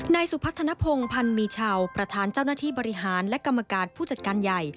นายสุพัฒนภงพันธ์มีชาวประธานเจ้าหน้าที่บริหารและกรรมการผู้จัดการใหญ่